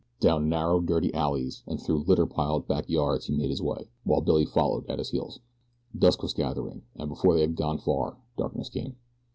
Down narrow, dirty alleys, and through litter piled back yards he made his way, while Billy followed at his heels. Dusk was gathering, and before they had gone far darkness came.